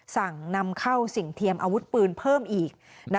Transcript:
นำเข้าสิ่งเทียมอาวุธปืนเพิ่มอีก